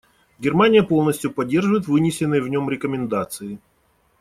Германия полностью поддерживает вынесенные в нем рекомендации.